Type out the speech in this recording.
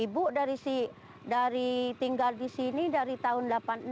ibu dari tinggal di sini dari tahun seribu sembilan ratus delapan puluh enam